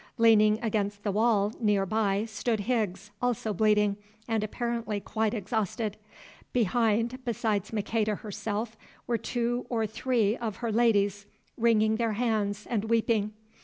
Leaning against the wall near by stood Higgs, also bleeding, and apparently quite exhausted. Behind, besides Maqueda herself, were two or three of her ladies, wringing their hands and weeping.